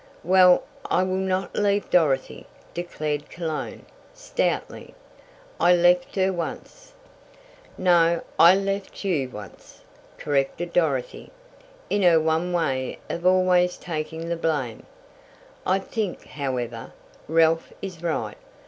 "Well, I will not leave Dorothy," declared Cologne, stoutly. "I left her once " "No, I left you once," corrected Dorothy, in her own way of always taking the blame. "I think, however, Ralph is right.